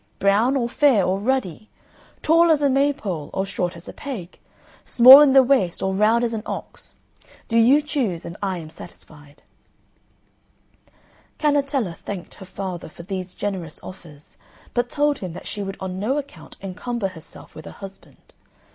brown or fair or ruddy? tall as a maypole or short as a peg? small in the waist or round as an ox? Do you choose, and I am satisfied." Cannetella thanked her father for these generous offers, but told him that she would on no account encumber herself with a husband.